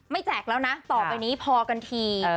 แจกแล้วนะต่อไปนี้พอกันที